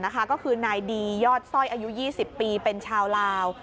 ก็คือนายดียอดสร้อยอายุ๒๐ปีเป็นชาวลาว